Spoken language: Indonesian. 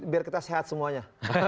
biar kita sehat semuanya